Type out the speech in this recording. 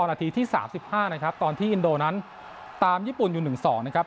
นาทีที่๓๕นะครับตอนที่อินโดนั้นตามญี่ปุ่นอยู่๑๒นะครับ